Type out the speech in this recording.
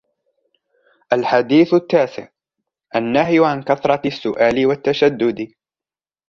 الحديث التاسع: النهي عن كثرة السؤال والتشدد